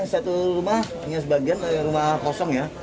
satu rumah sebagian rumah kosong ya